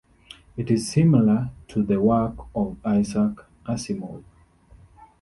It is similar to the work of Isaac Asimov.